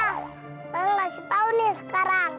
aku kasih tau nih sekarang